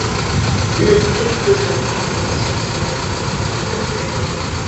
Celia Cruz grabó con la agrupación "Sonora Matancera".